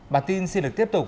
bản tin xin được tiếp tục